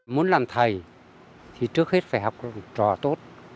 muốn làm thầy thì trước hết phải học trò tốt